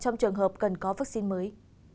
trong trường hợp cần có vaccine mới